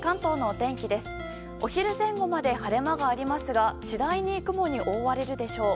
お昼前後まで晴れ間がありますが次第に雲に覆われるでしょう。